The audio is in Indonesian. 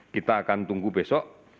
kita akan tunggu besok